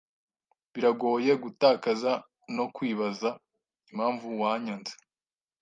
Biragoye gutakaza no kwibaza impamvu wanyanze